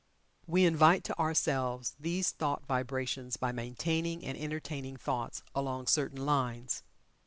We invite to ourselves these thought vibrations by maintaining and entertaining thoughts along certain lines.